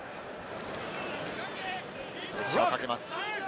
プレッシャーをかけます。